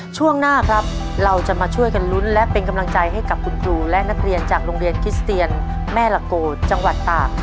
ช่วงหน้าครับเราจะมาช่วยกันลุ้นและเป็นกำลังใจให้กับคุณครูและนักเรียนจากโรงเรียนคิสเตียนแม่ละโกจังหวัดตาก